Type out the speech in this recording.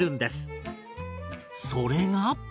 それが。